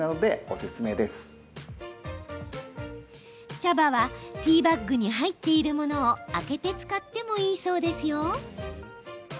茶葉はティーバッグに入っているものを開けて使ってもいいそうですよ。